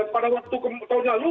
pada waktu tahun lalu